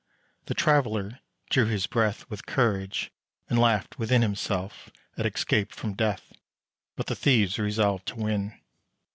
The Traveller drew his breath With courage, and laughed within Himself at escape from death; But the thieves resolved to win.